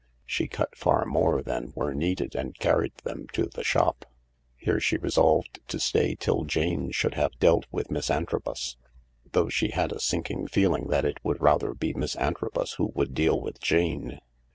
She cut far more than were needed and carried them to the shop. Here she resolved to stay till Jane should have dealt with Miss Antrobus ; though she had a sinking feeling that it would rather be Miss Antrobus who would deal with Jane.